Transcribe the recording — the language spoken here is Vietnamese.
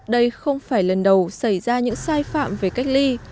đây không phải lần đầu xảy ra những sai phạm về cách ly